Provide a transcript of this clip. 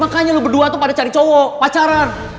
makanya lu berdua tuh pada cari cowok pacaran